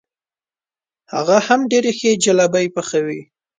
هغه هم ډېرې ښې جلبۍ پخوي.